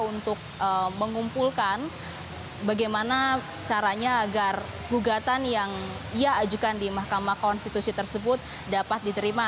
untuk mengumpulkan bagaimana caranya agar gugatan yang ia ajukan di mahkamah konstitusi tersebut dapat diterima